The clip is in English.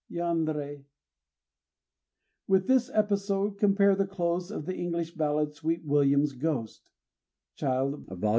Yanrei! With this episode compare the close of the English ballad "Sweet William's Ghost" (Child: vol.